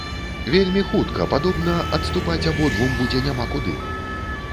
Вельмі хутка, падобна, адступаць абодвум будзе няма куды.